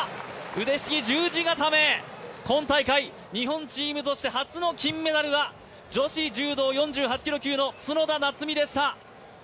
腕ひしぎ十字固め、今大会日本チームとして初の金メダルは女子柔道４８キロ級の角田夏実でした。